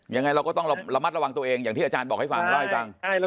ยังไงเราก็ต้องระมัดระวังตัวเองอย่างที่อาจารย์บอกให้ฟังเล่าให้ฟัง